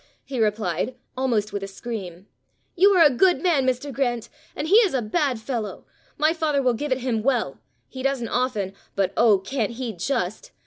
he replied, almost with a scream. "You are a good man, Mr. Grant, and he is a bad fellow. My father will give it him well. He doesn't often but oh, can't he just!